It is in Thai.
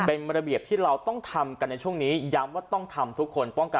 เป็นระเบียบที่เราต้องทำกันในช่วงนี้ย้ำว่าต้องทำทุกคนป้องกัน